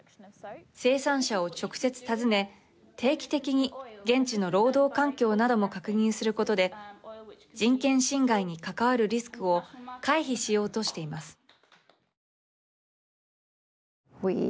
生産者を直接訪ね定期的に現地の労働環境なども確認することで人権侵害に関わるリスクを回避しようとしています。